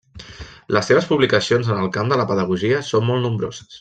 Les seves publicacions en el camp de la pedagogia són molt nombroses.